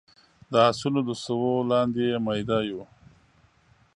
د اسونو د سوو لاندې يې ميده يو